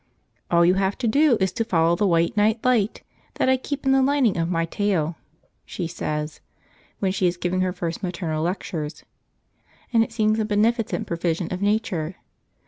"All you have to do is to follow the white night light that I keep in the lining of my tail," she says, when she is giving her first maternal lectures; and it seems a beneficent provision of Nature.